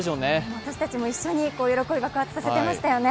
私たちも一緒に喜び爆発させていましたよね。